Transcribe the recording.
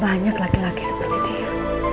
banyak laki laki seperti dia